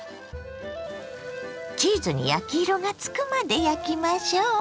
チーズに焼き色がつくまで焼きましょ。